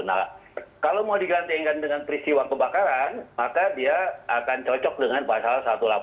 nah kalau mau digandengkan dengan peristiwa kebakaran maka dia akan cocok dengan pasal satu ratus delapan puluh